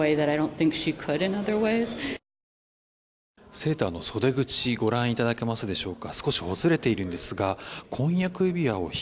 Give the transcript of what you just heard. セーターの袖口ご覧いただけますでしょうか。